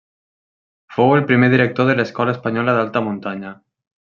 Fou el primer director de l'Escola Espanyola d'Alta Muntanya.